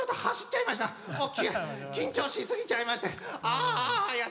緊張し過ぎちゃいまして。